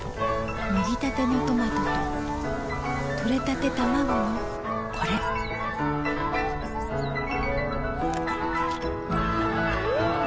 もぎたてのトマトととれたてたまごのこれん！